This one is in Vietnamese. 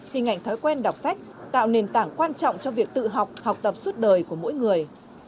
hình ảnh thói quen đọc sách tạo nền tảng quan trọng cho việc tự học học tập suốt đời của mỗi người